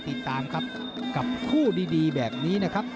ติดตามครับกับคู่ดีแบบนี้นะครับ